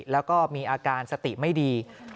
แล้วก็มีอาการสติไม่ดี